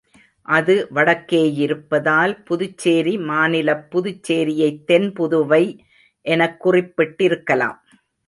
அது வடக்கேயிருப்பதால் புதுச்சேரி மாநிலப் புதுச்சேரியைத் தென் புதுவை எனக் குறிப்பிட்டிருக்கலாம்.